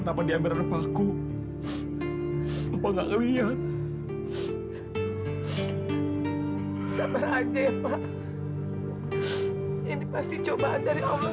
tapi dia merupakan aku nggak lihat sama aja ya pak ini pasti cobaan dari allah